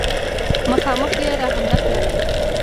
مخامخ یې را حمله وکړه.